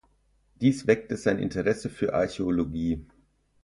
Dies weckte sein Interesse für Archäologie.